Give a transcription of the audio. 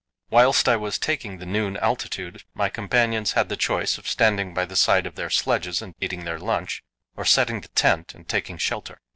Whilst I was taking the noon altitude my companions had the choice of standing by the side of their sledges and eating their lunch, or setting the tent and taking shelter.